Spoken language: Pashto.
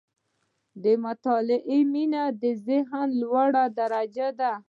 • د مطالعې مینه، د ذهن لوړه درجه ده.